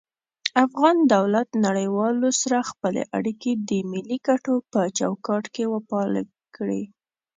افغان دولت نړيوالو سره خپلی اړيکي د ملي کټو په چوکاټ کي وپالی کړي